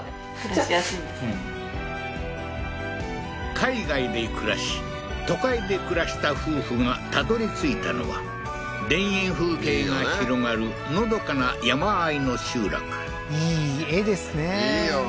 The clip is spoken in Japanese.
海外で暮らし都会で暮らした夫婦がたどり着いたのは田園風景が広がるのどかな山あいの集落いい画ですねいいよ